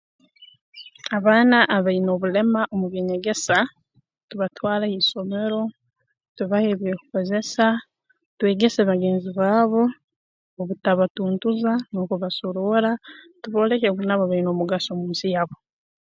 Abaana abaine obulema mu by'enyegesa tubatwale ha isomero tubahe eby'okukozesa twegese bagenzi baabo obutabatuntuza n'okubasoroora tubooleke ngu nabo baine omugaso mu nsi yabo